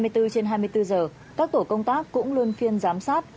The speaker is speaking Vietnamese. hai mươi bốn trên hai mươi bốn giờ các tổ công tác cũng luôn phiên giám sát